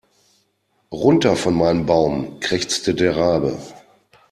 Runter von meinem Baum, krächzte der Rabe.